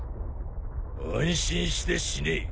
安心して死ね。